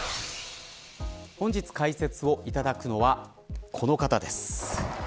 本日解説をいただくのはこの方です。